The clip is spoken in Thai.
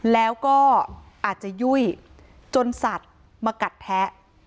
แล้วก็อาจจะยุ่ยจนสัตว์มากัดแท้